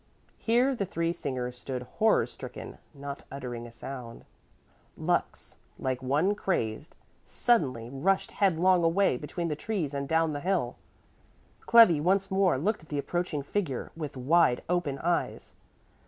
Here the three singers stood horror stricken, not uttering a sound. Lux, like one crazed, suddenly rushed headlong away between the trees and down the hill. Clevi once more looked at the approaching figure with wide open eyes.